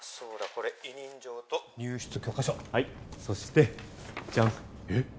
これ委任状と入室許可証そしてジャンえっ？